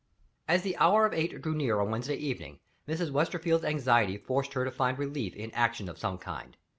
As the hour of eight drew near on Wednesday evening, Mrs. Westerfield's anxiety forced her to find relief in action of some kind.